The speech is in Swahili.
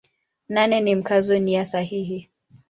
Nane ni Mkazo nia sahihi.